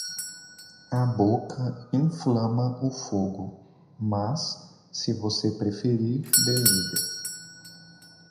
A boca inflama o fogo, mas, se você preferir, desliga.